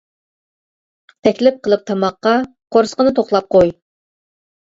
تەكلىپ قىلىپ تاماققا، قورسىقىنى توقلاپ قوي.